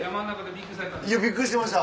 びっくりしました。